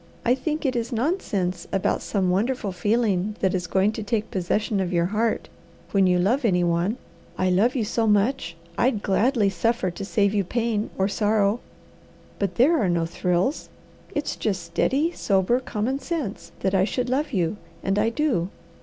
I think it is nonsense about some wonderful feeling that is going to take possession of your heart when you love any one. I love you so much I'd gladly suffer to save you pain or sorrow. But there are no thrills; it's just steady, sober, common sense that I should love you, and I do.